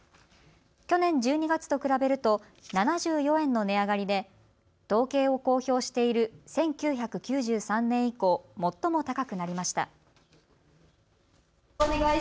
去年１２月と比べると７４円の値上がりで統計を公表している１９９３年以降、最も高くなりました。